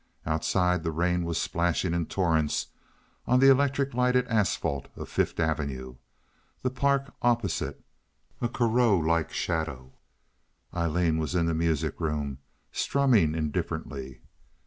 Outside the rain was splashing in torrents on the electric lighted asphalt of Fifth Avenue—the Park opposite a Corot like shadow. Aileen was in the music room strumming indifferently.